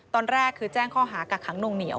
ตอนแรกคือแจ้งข้อหากักขังหนุ่งเหนียว